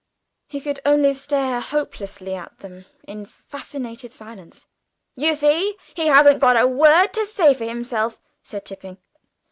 He could only stare hopelessly at them in fascinated silence. "You see he hasn't a word to say for himself!" said Tipping.